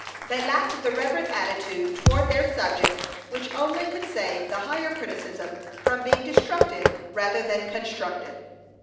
They lacked the reverent attitude toward their subject which only could save the higher criticism from being destructive rather than constructive.